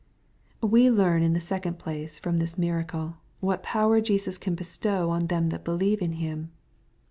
We learn, in the second place, from this miracle, whai power Jesv^ can bestow on them that believe on Him.